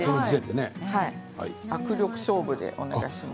握力勝負でお願いします。